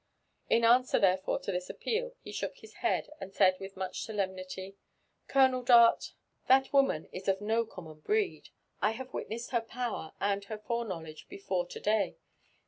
In answer therefore to this appeal, he shook his head, and said with much solemnity, " Colonel Dart, that woman is of no common breed — I have witnessed her power and her fore knowledge before to day.